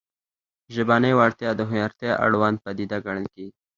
ژبنۍ وړتیا د هوښیارتیا اړونده پدیده ګڼل کېږي